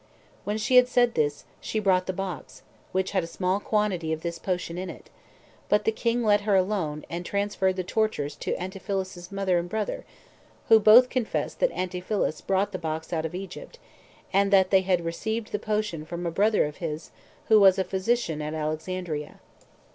7. When she had said this, she brought the box, which had a small quantity of this potion in it: but the king let her alone, and transferred the tortures to Antiphilus's mother and brother; who both confessed that Antiphilus brought the box out of Egypt, and that they had received the potion from a brother of his, who was a physician at Alexandria.